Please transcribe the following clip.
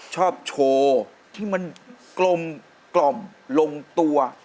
ชอบโชว์ที่มันกลมกล่อมลงตัว